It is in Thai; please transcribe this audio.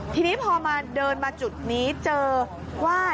ทีนี้พอมาเดินมาจุดนี้เจอว่า